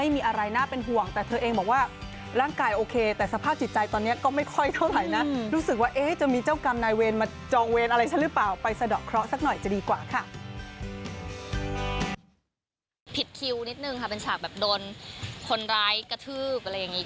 คิวนิดนึงค่ะเป็นฉากแบบโดนคนร้ายกระทืบอะไรอย่างนี้